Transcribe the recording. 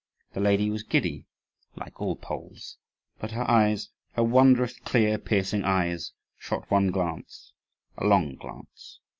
The lady was giddy, like all Poles; but her eyes her wondrous clear, piercing eyes shot one glance, a long glance.